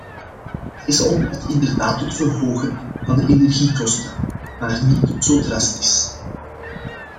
Deze omvat inderdaad het verhogen van de energiekosten, maar niet zo drastisch.